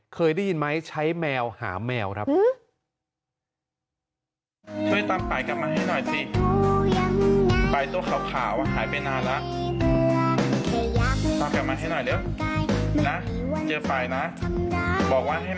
เคยได้ยินไหมใช้แมวหาแมวครับ